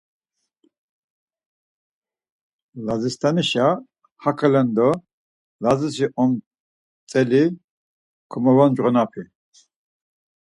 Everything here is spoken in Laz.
Lazist̆anişa, hakolendo Lazişi omtzeli komevoncğonapi.